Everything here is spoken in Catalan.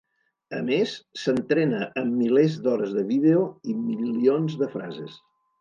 A més, s’entrena amb milers d’hores de vídeo i milions de frases.